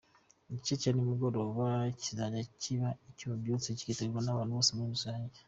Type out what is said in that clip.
Igice cya nimugoroba kikazajya kiba ari icy’ububyutse kikitabirwa n’abantu bose muri rusange.